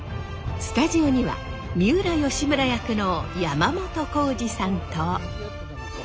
スタジオには三浦義村役の山本耕史さんと。